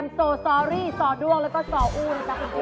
พี่เก๋พี่เก๋